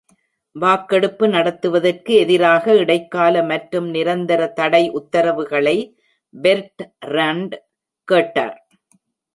வாக்கெடுப்பு நடத்துவதற்கு எதிராக இடைக்கால மற்றும் நிரந்தர தடை உத்தரவுகளை பெர்ட்ராண்ட் கேட்டார்.